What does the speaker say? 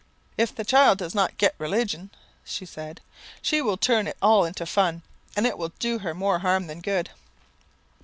"'If the child does not get religion,' she said, 'she will turn it all into fun, and it will do her more harm than good.'